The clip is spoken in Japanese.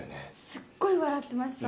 すっごい笑ってました。